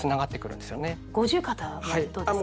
五十肩はどうですか？